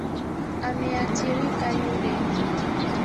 Ameathirika yule